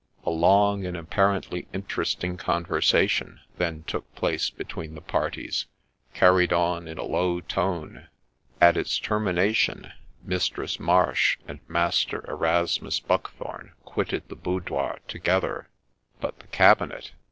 A long, and apparently interesting, conversation then took place between the parties, carried on in a lo\v tone. At its termination, Mistress Marsh and Master Erasmus Buckthome quitted the boudoir together. But the cabinet